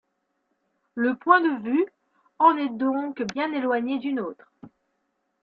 Le point de vue en est donc bien éloigné du nôtre.